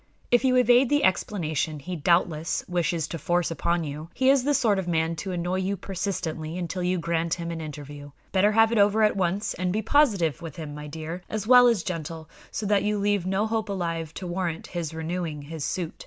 "If you evade the explanation he doubtless wishes to force upon you, he is the sort of man to annoy you persistently until you grant him an interview. Better have it over at once; and be positive with him, my dear, as well as gentle, so that you leave no hope alive to warrant his renewing his suit."